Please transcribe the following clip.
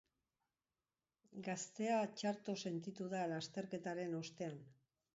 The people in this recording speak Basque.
Gaztea txarto sentitu da lasterketaren ostean.